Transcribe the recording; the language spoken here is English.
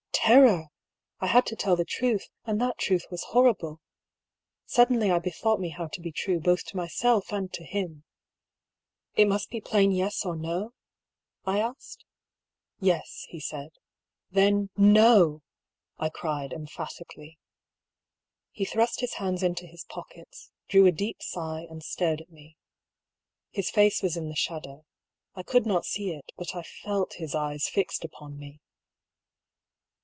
Terror ! I had to tell the truth, and that truth was horrible. Suddenly I be thought me how to be true both to myself and to him. " It must be plain Yes or plain No ?" 1 asked. " Yes," he said. "Then, iVo/" I cried, emphatically. He thrust his hands into his pockets, drew a deep sigh, and stared at me. His face was in the shadow : I could not see it ; but Ifelt his eyes fixed upon me.